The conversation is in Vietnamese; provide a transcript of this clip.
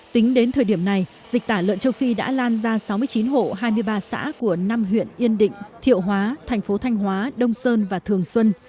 tính đến thời điểm này dịch tả lợn châu phi đã lan ra sáu mươi chín hộ hai mươi ba xã của năm huyện yên định thiệu hóa thành phố thanh hóa đông sơn và thường xuân